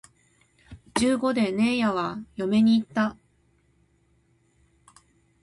十五でねえやは嫁に行った